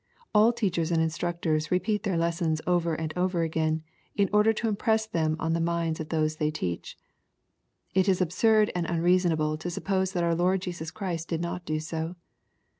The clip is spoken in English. All teachers and instructors repeat their lessons over and over again, in order to impress them on the minds of those they teach. It is absurd and unreasonable to suppose that our Lord Jesus Christ did not do so.